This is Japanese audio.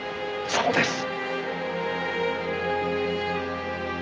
そうです。